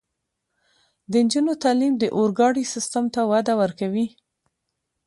د نجونو تعلیم د اورګاډي سیستم ته وده ورکوي.